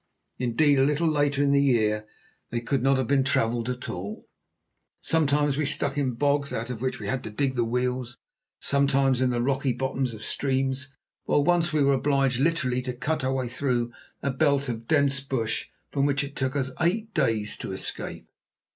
Indeed, a little later in the year they could not have been travelled at all. Sometimes we stuck in bogs out of which we had to dig the wheels, and sometimes in the rocky bottoms of streams, while once we were obliged literally to cut our way through a belt of dense bush from which it took us eight days to escape.